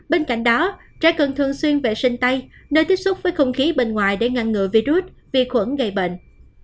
bên cạnh đó trẻ cần thường xuyên vệ sinh tay nơi tiếp xúc với không khí bên ngoài để ngăn ngừa virus vi khuẩn gây bệnh